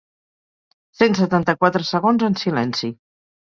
Cent setanta-quatre segons en silenci.